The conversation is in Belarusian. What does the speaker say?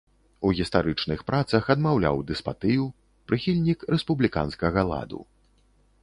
У гістарычных працах адмаўляў дэспатыю, прыхільнік рэспубліканскага ладу.